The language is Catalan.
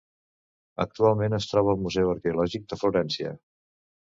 Actualment es troba al Museu Arqueològic de Florència.